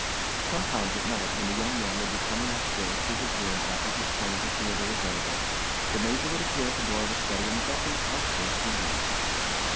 Sometimes, at night, when the young man would be coming upstairs to his room after his turn at the theater was over, the Major would appear at the door of his study and beckon archly to him.